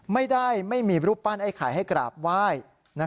ไม่มีรูปปั้นไอ้ไข่ให้กราบไหว้